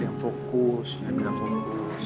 yang fokus yang gak fokus